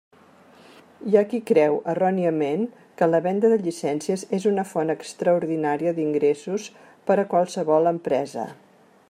Hi ha qui creu, erròniament, que la venda de llicències és una font extraordinària d'ingressos per a qualsevol empresa.